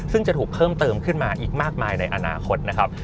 ซึ่งจะถูกเพิ่มเติมขึ้นมาอีกมากมายในอนาคตนะครับ